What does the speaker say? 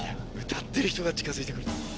歌ってる人が近づいて来ると。